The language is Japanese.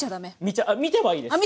見てはいいです。